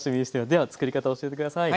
では作り方を教えて下さい。